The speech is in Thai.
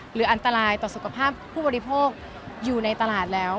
หรืออันตรายต่อสุขภาพผู้บริโภคอยู่ในตลาดแล้ว